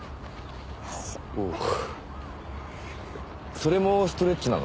それもストレッチなの？